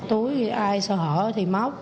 tối ai sợ hỡi